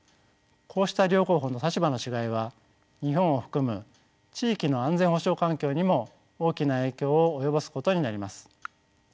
こうした両候補の立場の違いは日本を含む地域の安全保障環境にも大きな影響を及ぼすことになります。